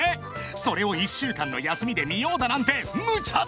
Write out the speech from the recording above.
［それを１週間の休みで見ようだなんてムチャだぜ］